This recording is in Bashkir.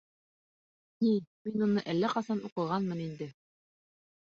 Ни, мин уны әллә ҡасан уҡығанмын инде.